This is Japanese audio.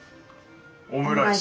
オムライス。